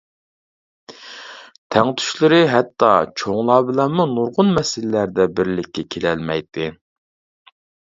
تەڭتۇشلىرى، ھەتتا چوڭلار بىلەنمۇ نۇرغۇن مەسىلىلەردە بىرلىككە كېلەلمەيتتى.